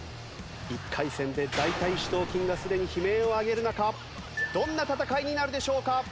１回戦で大腿四頭筋がすでに悲鳴を上げる中どんな戦いになるでしょうか？